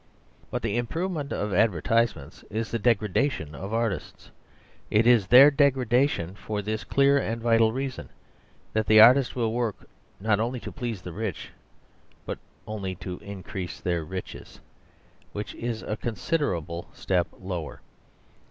But the improvement of advertisements is the degradation of artists. It is their degradation for this clear and vital reason: that the artist will work, not only to please the rich, but only to increase their riches; which is a considerable step lower.